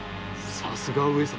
さすがは上様！